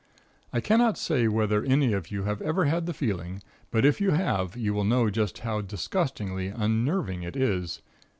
I cannot say whether any of you have ever had the feeling, but if you have, you will know just how disgustingly unnerving it is.